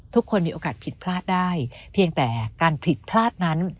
ทุกคนมีโอกาสผิดพลาดได้เพียงแต่การผิดพลาดนั้น